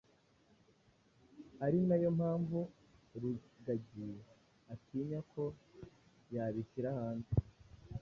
ari nayo mpamvu rugagi atinya ko yabishyira hanze